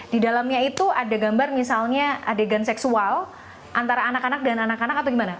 di dalamnya itu ada gambar misalnya adegan seksual antara anak anak dan anak anak atau gimana